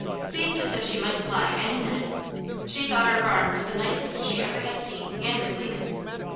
Seemed as if she might fly any minute. She thought our barn was the nicest she ever had seen and the cleanest.